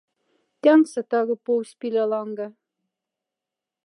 Тянкса тага повсь пиле ланга.